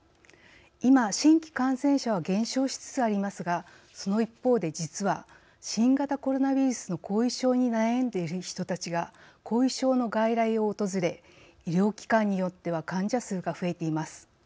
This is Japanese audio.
今新規感染者は減少しつつありますがその一方で実は新型コロナウイルスの後遺症に悩んでいる人たちが後遺症の外来を訪れ医療機関によっては患者数が増えています。